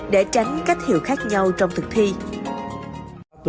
để tránh cách hiệu khác nhau trong thực thi